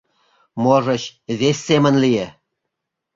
Можыч, вес семын лие.